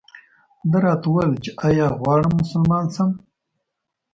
ده راته وویل چې ایا غواړم مسلمان شم.